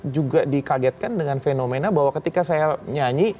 juga dikagetkan dengan fenomena bahwa ketika saya nyanyi